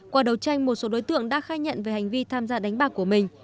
qua đầu tranh một số đối tượng đã khai nhận về hành vi tham gia đánh bạc của mình